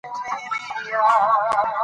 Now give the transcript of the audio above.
خاوره د افغانستان د پوهنې په نصاب کې شامل دي.